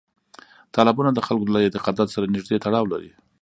تالابونه د خلکو له اعتقاداتو سره نږدې تړاو لري.